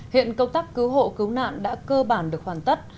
hiện công tác cứu hộ cứu nạn đã cơ bản được hoàn tất